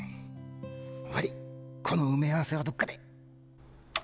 悪ぃこの埋め合わせはどっかで。